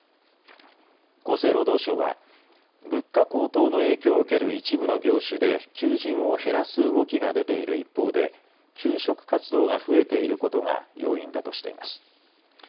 厚生労働省は物価高騰の影響を受ける一部の業種で求人を減らす動きが出ている一方で求職活動が増えていることが要因だとしています。